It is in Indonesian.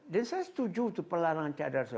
dan saya setuju itu perlahan lahan cadar